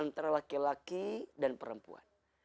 antara laki laki dan perempuan